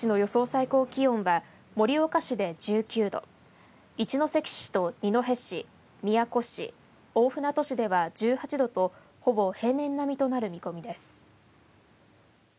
最高気温は盛岡市で１９度一関市と二戸市宮古市、大船渡市では１８度とほぼ平年並みとなる見込みです。